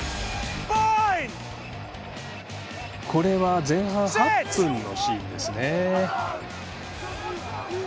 これは前半８分のシーンですね。